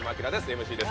ＭＣです